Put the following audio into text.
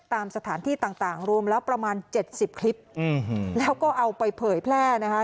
ตามสถานที่ต่างรวมแล้วประมาณ๗๐คลิปแล้วก็เอาไปเผยแพร่นะคะ